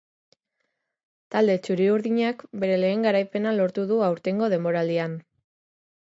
Talde txuri-urdinak bere lehen garaipena lortu du aurtengo denboraldian.